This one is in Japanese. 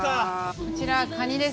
こちらカニです。